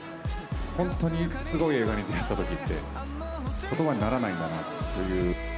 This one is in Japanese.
本当に、すごい映画に出会ったときって、ことばにならないんだなという。